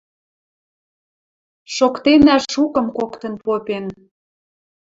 Шоктена шукым коктын попен.